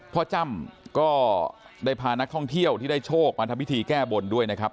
จ้ำก็ได้พานักท่องเที่ยวที่ได้โชคมาทำพิธีแก้บนด้วยนะครับ